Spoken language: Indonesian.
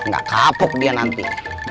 gak kapok dia nanti